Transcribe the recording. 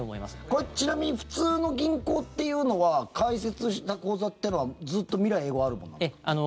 これ、ちなみに普通の銀行っていうのは開設した口座っていうのはずっと、未来永劫あるものなんですか？